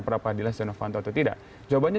peradilan stenovanto atau tidak jawabannya